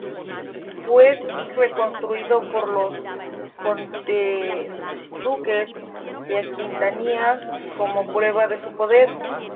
Fue reconstruido por los condes-duques de Aquitania como prueba de su poder.